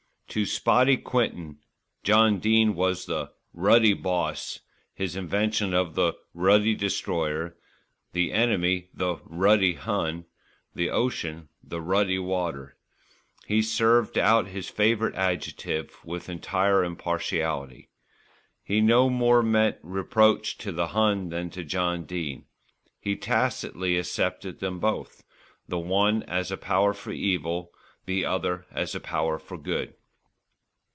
To "Spotty" Quinton, John Dene was the "ruddy boss," his invention the "ruddy Destroyer," the enemy the "ruddy Hun," the ocean the "ruddy water." He served out his favourite adjective with entire impartiality. He no more meant reproach to the Hun than to John Dene. He tacitly accepted them both, the one as a power for evil, the other as a power for good.